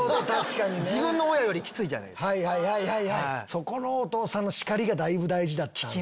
そこのお父さんの叱りがだいぶ大事だったんですね。